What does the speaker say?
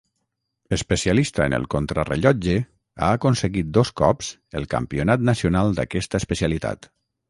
Especialista en el contrarellotge, ha aconseguit dos cops el campionat nacional d'aquesta especialitat.